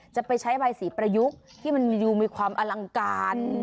จะไปใช้ใบสีประยุกต์ที่มันดูมีความอลังการ